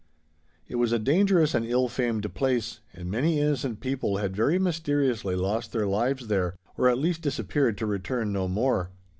It was a dangerous and an ill famed place, and many innocent people had very mysteriously lost their lives there, or at least disappeared to return no more.